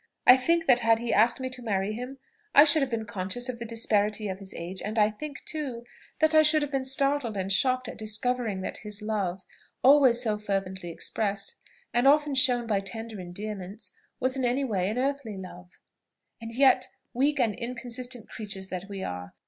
I think that had he asked me to marry him, I should have been conscious of the disparity of his age; and I think, too, that I should have been startled and shocked at discovering that his love, always so fervently expressed, and often shown by tender endearments, was in anyway an earthly love. And yet, weak and inconsistent creatures that we are!